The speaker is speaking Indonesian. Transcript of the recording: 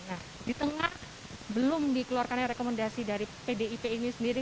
nah di tengah belum dikeluarkannya rekomendasi dari pdip ini sendiri